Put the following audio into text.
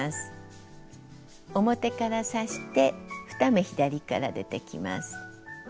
表から刺して２目左から出てきます。